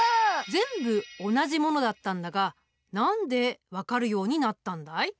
全部同じものだったんだが何で分かるようになったんだい？